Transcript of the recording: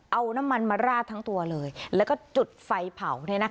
เอาน้ำมันมาราดทั้งตัวเลยแล้วก็จุดไฟเผา